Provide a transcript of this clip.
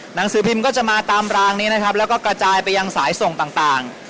หนังสือพิมพ์ก็จะมาตามรางนี้นะครับแล้วก็กระจายไปยังสายส่งต่าง